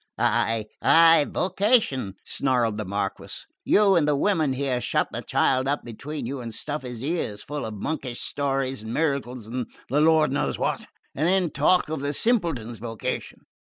"Ay, ay! vocation," snarled the Marquess. "You and the women here shut the child up between you and stuff his ears full of monkish stories and miracles and the Lord knows what, and then talk of the simpleton's vocation.